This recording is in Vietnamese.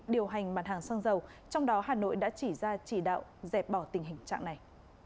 điều hành mặt hàng xăng dầu trong đó hà nội đã chỉ ra chỉ đạo dẹp bỏ tình hình trạng này